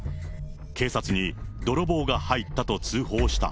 警察に泥棒が入ったと通報した。